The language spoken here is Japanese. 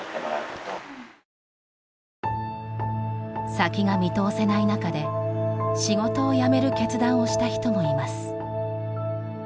先が見通せない中で仕事を辞める決断をした人もいます。